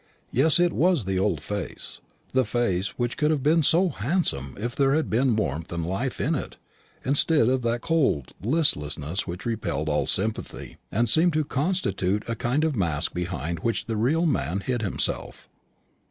Yes, it was the old face the face which would have been so handsome if there had been warmth and life in it, instead of that cold listlessness which repelled all sympathy, and seemed to constitute a kind of mask behind which the real man hid himself.